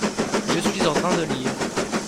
je suis en train de lire.